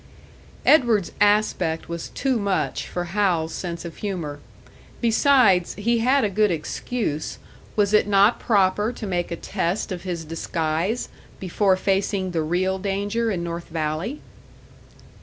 Edward's aspect was too much for Hal's sense of humour. Besides, he had a good excuse; was it not proper to make a test of his disguise, before facing the real danger in North Valley?